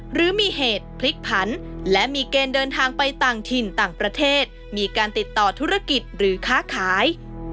หรือมีเหตุพลิกผันและมีเกณฑ์เดินทางไปต่างถิ่นต่างประเทศมีการติดต่อธุรกิจหรือค้าขาย